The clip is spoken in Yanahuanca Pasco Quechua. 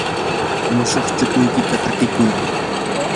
mushuq chukuykita hatikuy.